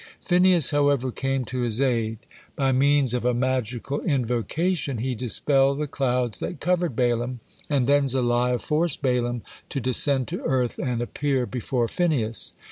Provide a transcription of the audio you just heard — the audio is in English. Phinehas, however, came to his aid. By means of a magical invocation he dispelled the clouds that covered Balaam, and then Zaliah forced Balaam to descend to earth and appear before Phinehas.